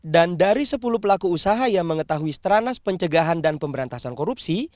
dan dari sepuluh pelaku usaha yang mengetahui stranas pencegahan dan pemberantasan korupsi